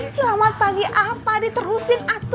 selamat pagi apa dit terusin atu